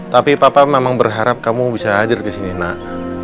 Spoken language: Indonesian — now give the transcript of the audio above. tapi papa memang berharap kamu bisa hadir kesini nak